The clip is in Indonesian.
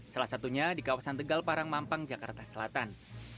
salah satunya di kawasan tegal parang mampang jakarta selatan